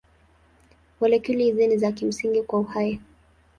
Molekuli hizi ni za kimsingi kwa uhai.